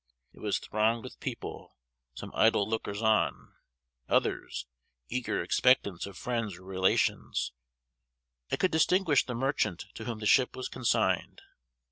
It was thronged with people; some idle lookers on; others, eager expectants of friends or relations. I could distinguish the merchant to whom the ship was consigned.